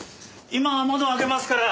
今窓開けますから。